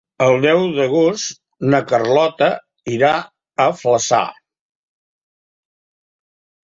El deu d'agost na Carlota irà a Flaçà.